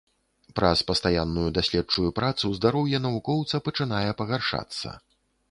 Праз пастаянную даследчую працу здароўе навукоўца пачынае пагаршацца.